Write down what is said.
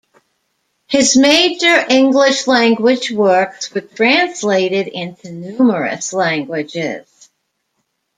His major English-language works were translated into numerous languages.